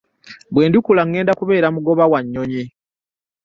Bwe ndikula ŋŋenda kubeera mugoba wa nnyonyi.